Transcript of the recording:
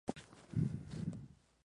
Caja San Fernando.